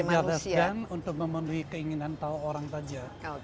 subjektivitas dan untuk memenuhi keinginan tahu orang saja